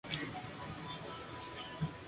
Hoja con ápice acuminado.